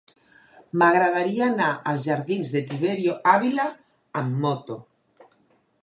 M'agradaria anar als jardins de Tiberio Ávila amb moto.